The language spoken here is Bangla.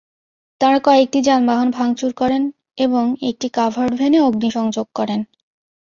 তাঁরা কয়েকটি যানবাহন ভাঙচুর করেন এবং একটি কাভার্ড ভ্যানে অগ্নিসংযোগ করেন।